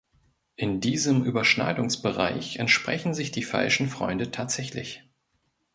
In diesem Überschneidungsbereich entsprechen sich die falschen Freunde tatsächlich.